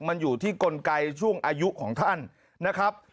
มันอยู่ที่กลไกช่วงอายุของท่านนะครับ